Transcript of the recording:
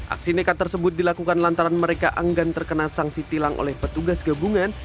aksi nekat tersebut dilakukan lantaran mereka enggan terkena sanksi tilang oleh petugas gabungan